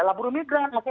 kita harus berhati hati